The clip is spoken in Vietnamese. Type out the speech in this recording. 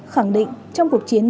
khẳng định trong cuộc chiến